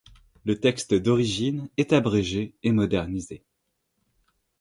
Le texte d'origine est abrégé et modernisé.